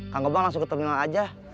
kang gebang langsung ke terminal aja